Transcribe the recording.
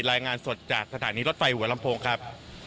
รายงานสดจากสถานีรถไฟหัวลำโพงครับ